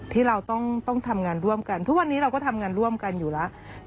ที่เราต้องทำงานร่วมกันทุกวันนี้เราก็ทำงานร่วมกันอยู่แล้ว